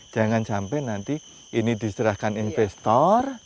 jangan sampai nanti ini diserahkan investor